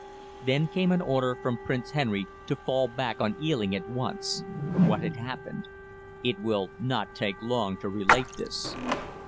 Then came an order from Prince Henry to fall back on Ealing at once. What had happened? It will not take long to relate this.